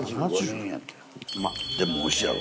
でもおいしいやろ？